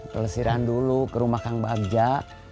pelesiran dulu ke rumah kang bagja